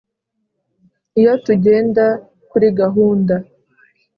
iyo tugenda kuri gahunda,…